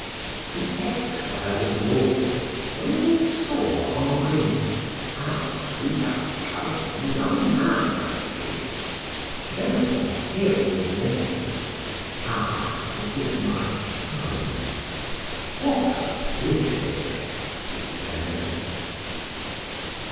The exiled lord, when he saw Henri, asked who that handsome young man might be. Then, upon hearing the name, "Ah, it is my son.... What a pity!" he said.